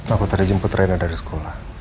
aku tadi jemput reno dari sekolah